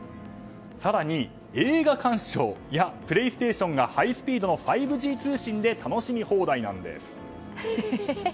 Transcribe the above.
更に、映画鑑賞やプレイステーションがハイスピードの５Ｇ通信で楽しみ放題なんです。